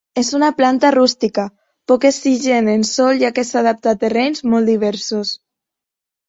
És una planta rústica, poc exigent en sòl, ja que s'adapta a terrenys molt diversos.